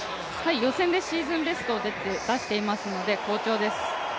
予選でシーズンベストを出していますので、好調です。